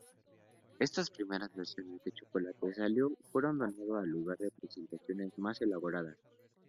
Estas primeras versiones del chocolate sólido fueron dando lugar a presentaciones más elaboradas.